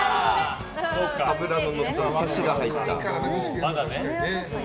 脂がのってて、サシが入った。